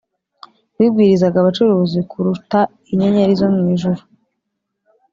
Wigwirizaga abacuruzi kuruta inyenyeri zo mu ijuru